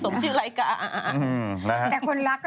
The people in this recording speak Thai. ไม๊เฮ่ใส่ไข่จริงสมชื่ออะไรกล่ะ